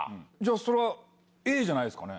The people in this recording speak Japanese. そりゃＡじゃないですかね。